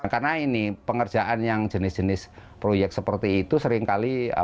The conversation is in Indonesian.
karena ini pengerjaan yang jenis jenis proyek seperti itu seringkali